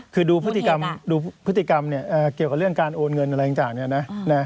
คือดูพฤติกรรมเนี้ยเกี่ยวกับเรื่องการโอนเงินอะไรจากเนี้ยนะ